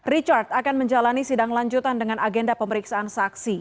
richard akan menjalani sidang lanjutan dengan agenda pemeriksaan saksi